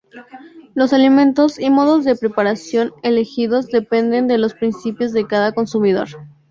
Los alimentos y modos de preparación elegidos dependen de los principios de cada consumidor.